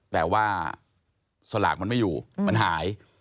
แต่ว่าสลากมันไม่อยู่มันหาย